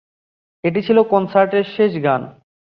এটি ছিল কনসার্টের শেষ গান।